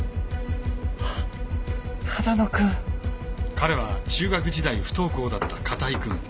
彼は中学時代不登校だった片居くん。